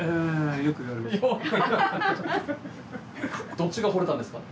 どっちが惚れたんですか？